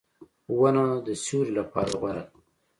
• ونه د سیوری لپاره غوره ده.